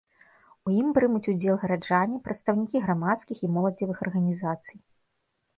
У ім прымуць удзел гараджане, прадстаўнікі грамадскіх і моладзевых арганізацый.